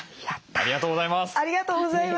ありがとうございます。